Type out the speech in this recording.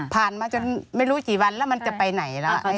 มาจนไม่รู้กี่วันแล้วมันจะไปไหนแล้ว